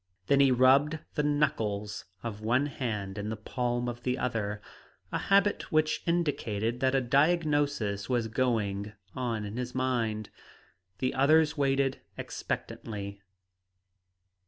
Then he rubbed the knuckles of one hand in the palm of the other a habit which indicated that a diagnosis was going on in his mind. The others waited expectantly.